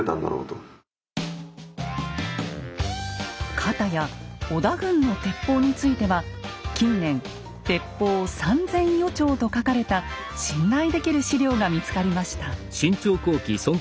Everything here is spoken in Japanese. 片や織田軍の鉄砲については近年「鉄砲三千余丁」と書かれた信頼できる史料が見つかりました。